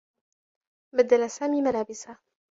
بدّل سامي ملابسه.